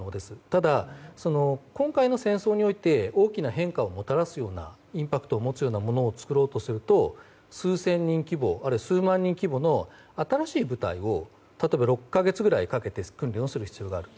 ただ、今回の戦争において大きな変化をもたらすようなインパクトを持つようなものを作ろうとすると、数千人規模あるいは数万人規模の新しい部隊を例えば６か月ぐらいかけて訓練する必要がある。